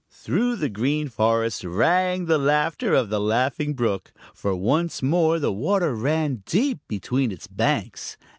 Through the Green Forest rang the laughter of the Laughing Brook, for once more the water ran deep between its banks.